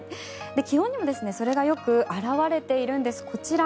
気温にもそれがよく表れているんです。